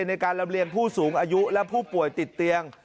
ในการลำเลียงผู้สูงอายุและผู้ป่วยติดเตียง